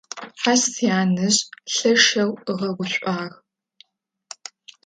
Ащ сянэжъ лъэшэу ыгъэгушӀуагъ.